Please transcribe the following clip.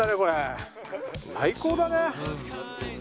最高だね！